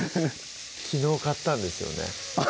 昨日買ったんですよね